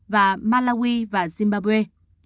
và malawi và zimbabwe